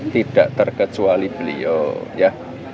tidak terkecuali beliau ya